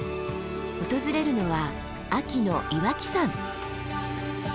訪れるのは秋の岩木山。